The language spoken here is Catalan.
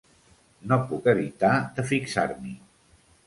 No puc evitar de fixar-m'hi.